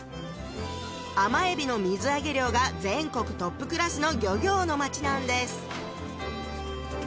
甘エビの水揚げ量が全国トップクラスの漁業の町なんです